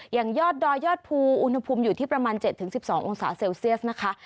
อย่างยอดดอยยอดภูมิอุณหภูมิอยู่ที่ประมาณเจ็ดถึงสิบสององศาเซลเซียสนะคะ